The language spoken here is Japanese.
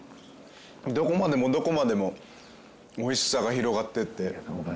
どこまでもどこまでもおいしさが広がっていって。